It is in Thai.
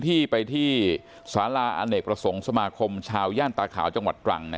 ที่ไปที่สาราอเนกประสงค์สมาคมชาวย่านตาขาวจังหวัดตรัง